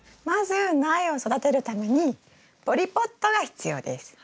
まず苗を育てるためにポリポットが必要です。